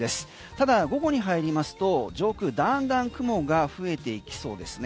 ただ午後に入りますと上空だんだん雲が増えていきそうですね。